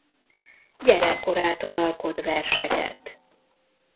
Gyerekkorától alkot verseket.